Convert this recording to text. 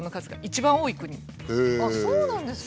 あっそうなんですか。